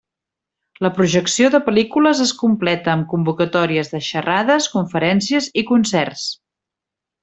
La projecció de pel·lícules es completa amb convocatòries de xerrades, conferències i concerts.